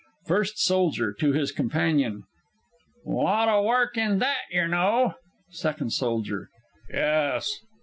_ FIRST SOLDIER (to his Companion). Lot 'o work in that, yer know! Second Soldier. Yes.